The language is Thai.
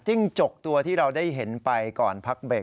จกตัวที่เราได้เห็นไปก่อนพักเบรก